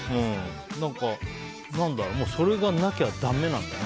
何だろう、それがなきゃだめなんだね。